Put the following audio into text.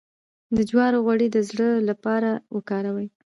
د جوارو غوړي د زړه لپاره وکاروئ